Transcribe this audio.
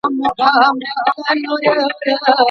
ولي محنتي ځوان د ذهین سړي په پرتله ژر بریالی کېږي؟